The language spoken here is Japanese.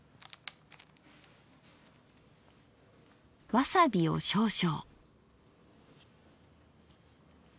わさびを少々。